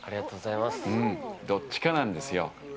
どっちかなんですよ。